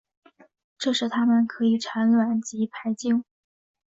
这时它们可以产卵及排精。